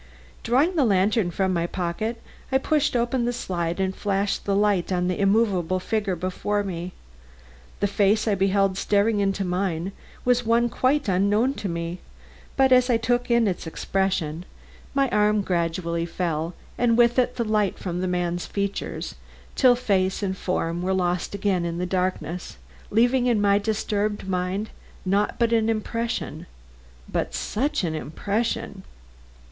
Drawing the lantern from my pocket, I pushed open the slide and flashed the light on the immovable figure before me. The face I beheld staring into mine was one quite unknown to me, but as I took in its expression, my arm gradually fell, and with it the light from the man's features, till face and form were lost again in the darkness, leaving in my disturbed mind naught but an impression; but such an impression!